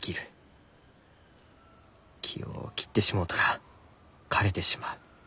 木を切ってしもうたら枯れてしまう。